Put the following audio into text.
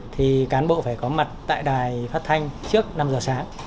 thì cán bộ phải có mặt tại đài phát thanh trước năm giờ sáng